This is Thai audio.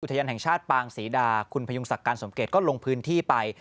ทยันแห่งชาติปางศรีดาคุณพยุงศักดิ์การสมเกตก็ลงพื้นที่ไป